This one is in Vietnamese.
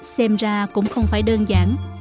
xem ra cũng không phải đơn giản